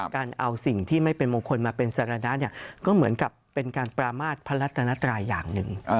การเอาสิ่งที่ไม่เป็นมงคลมาเป็นสาระก็เหมือนกับเป็นการปรามาทพระรัตนตราอย่างหนึ่ง